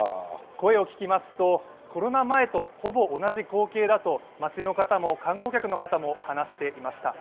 声を聞きますと、コロナ前とほぼ同じ光景だと、街の方も観光客の方も話していました。